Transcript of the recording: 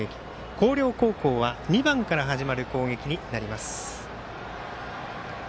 広陵高校は２番から始まる攻撃になります。